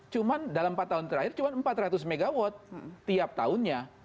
cuma dalam empat tahun terakhir cuma empat ratus mw tiap tahunnya